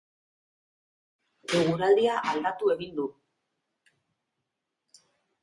Eguraldia aldatu egin du.